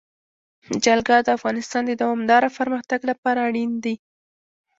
جلګه د افغانستان د دوامداره پرمختګ لپاره اړین دي.